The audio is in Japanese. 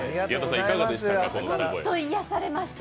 本当、癒やされました